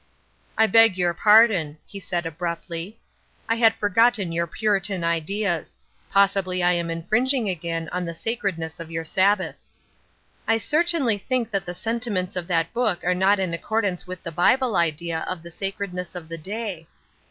" I beg your pardon," he said, abruptly, " I had forgotten your Puritan ideas. Possibly I am infringing again on the sacredness of your Sabbath." " I certainly think that the sentiments of that book are not in accordance with the Bible idea of the sacredness of the day."